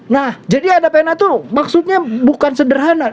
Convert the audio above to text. nah jadi ada pena tolong maksudnya bukan sederhana